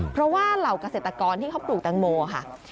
เพราะว่าเหล่าเกษตรกรที่เขาปลูกแตงโมค่ะ